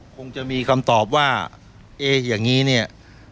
คงจะมีคำตอบว่าเอ๊ะอย่างนี้เนี่ย